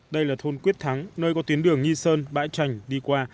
đây là thôn quyết thắng nơi có tuyến đường nghi sơn bãi trành đi qua